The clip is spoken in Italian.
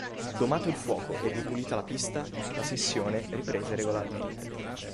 Domato il fuoco e ripulita la pista la sessione riprese regolarmente.